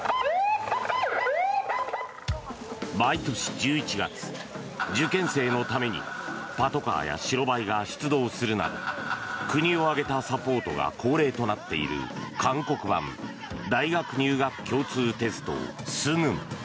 毎年１１月受験生のためにパトカーや白バイが出動するなど国を挙げたサポートが恒例となっている韓国版大学入学共通テストスヌン。